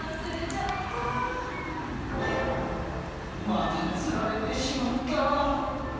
また、釣られてしまった。